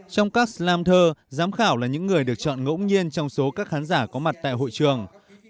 trong các slam thơ giám khảo là những người được chọn ngẫu nhiên trong số các khán giả có mặt tại hội trường